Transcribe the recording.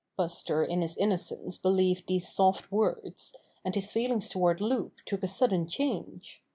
Buster in his innocence believed these soft words, and his feelings toward Loup took a sudden change.